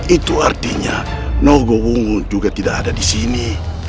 itu artinya nogowongo juga tidak ada di sini